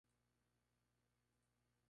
Él todavía mantiene su inocencia.